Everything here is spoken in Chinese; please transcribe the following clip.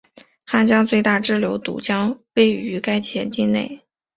汉江最大支流堵河位于该县境内。